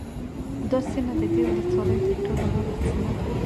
دا سیمه د دې ولسوالۍ ترټولو لوړه سیمه ده